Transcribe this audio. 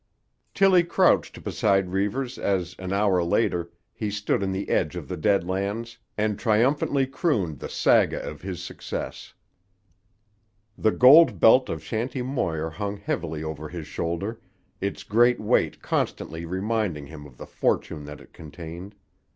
Tillie crouched beside Reivers as, an hour later, he stood on the edge of the Dead Lands, and triumphantly crooned the saga of his success. The gold belt of Shanty Moir hung heavily over his shoulder, its great weight constantly reminding him of the fortune that it contained.